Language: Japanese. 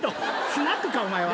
スナックかお前は。